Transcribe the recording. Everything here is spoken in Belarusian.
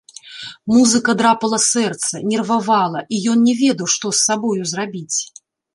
Музыка драпала сэрца, нервавала, і ён не ведаў, што з сабою зрабіць.